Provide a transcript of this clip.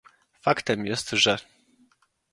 Faktem jest, że